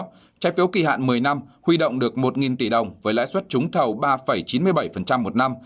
trái phiếu kỳ hạn một mươi năm huy động được một tỷ đồng với lãi suất trúng thầu ba chín mươi bảy một năm